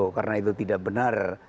karena itu tidak benar